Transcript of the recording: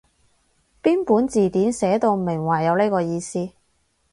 邊本字典寫到明話有呢個意思？